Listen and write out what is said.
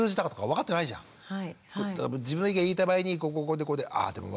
自分の意見が言いたい場合にこうこうこうでああでも分かる。